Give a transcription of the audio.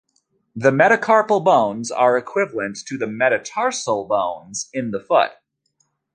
The metacarpal bones are equivalent to the metatarsal bones in the foot.